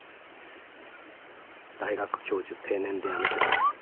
『大学教授定年で辞めてさ